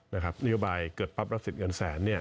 นโยบายเกิดปั๊บรับสิทธิ์เงินแสน